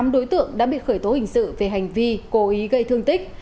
tám đối tượng đã bị khởi tố hình sự về hành vi cố ý gây thương tích